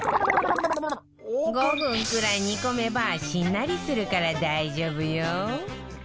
５分くらい煮込めばしんなりするから大丈夫よ